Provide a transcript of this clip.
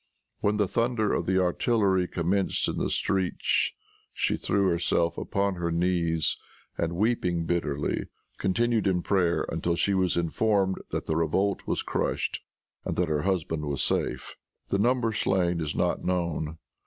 When the thunder of the artillery commenced in the streets, she threw herself upon her knees, and, weeping bitterly, continued in prayer until she was informed that the revolt was crushed, and that her husband was safe. The number slain is not known.